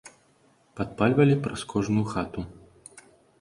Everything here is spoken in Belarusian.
Падпальвалі праз кожную хату.